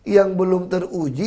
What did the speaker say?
yang belum teruji